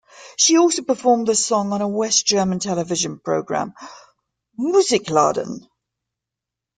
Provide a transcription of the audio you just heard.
She also performed the song on a West German television program Musikladen.